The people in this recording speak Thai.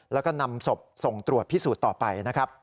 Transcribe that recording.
แล้วก็นำศพส่งตรวจพิสูจน์ต่อไปนะครับ